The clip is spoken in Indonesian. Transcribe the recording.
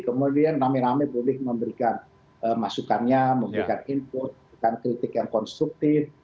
kemudian rame rame publik memberikan masukannya memberikan input memberikan kritik yang konstruktif